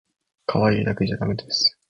かわいいだけじゃだめです